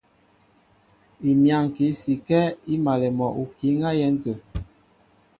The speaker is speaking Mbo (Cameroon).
Imyáŋki sikɛ́ í malɛ mɔ okǐ á yɛ́n tə̂.